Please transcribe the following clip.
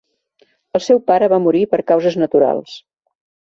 El seu pare va morir per causes naturals.